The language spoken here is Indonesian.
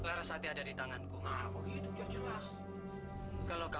laras serti pasti akan dalam bahaya